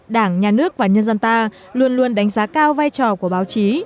đảng nhà nước và nhân dân ta luôn luôn đánh giá cao vai trò của báo chí